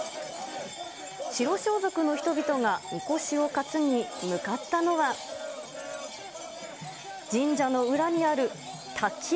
白装束の人々がみこしを担ぎ向かったのは、神社の裏にある滝。